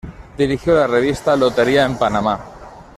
Dirigió la Revista "Lotería" en Panamá.